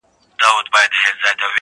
ستا په خاموشۍ کي هم کتاب کتاب خبري دي-